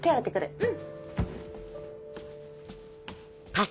うん。